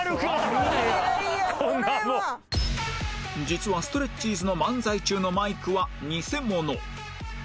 実はストレッチーズの漫才中のマイクはニセモノ